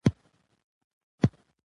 ژمی د افغانستان د موسم د بدلون سبب کېږي.